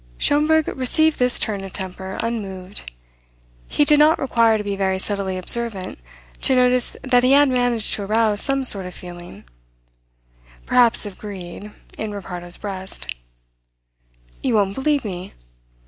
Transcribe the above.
Schomberg received this turn of temper unmoved. He did not require to be very subtly observant to notice that he had managed to arouse some sort of feeling, perhaps of greed, in Ricardo's breast. "You won't believe me?